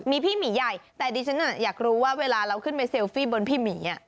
มีพี่หมีใหญ่แต่ดิฉันอยากรู้ว่าเวลาเราขึ้นไปเซลฟี่บนพี่หมี